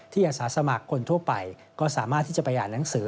อาสาสมัครคนทั่วไปก็สามารถที่จะไปอ่านหนังสือ